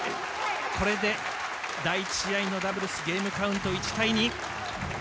これで第１試合のダブルスゲームカウント１対２。